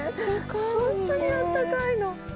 ホントにあったかいの。